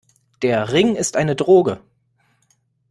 Der Ring ist eine Droge.